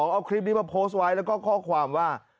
เอาคลิปนี้มาโพสต์ไว้แล้วก็ข้อความว่า